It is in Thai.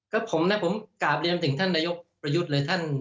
ก็ผมนะผมกราบเรียนถึงท่านนายกประยุทธ์เลยท่าน